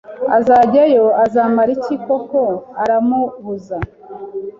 uzajyayo uzamara iki kok”?Aramubuza